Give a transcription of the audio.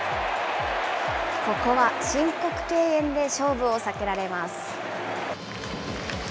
ここは申告敬遠で勝負を避けられます。